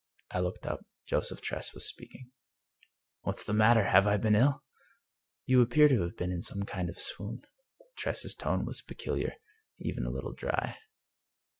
" I looked up. Joseph Tress was speaking, " What's the matter? Have I been ill? "" You appear to have been in some kind of swoon." Tress's tone was peculiar, even a little dry.